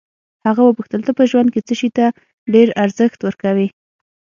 هغه وپوښتل ته په ژوند کې څه شي ته ډېر ارزښت ورکوې.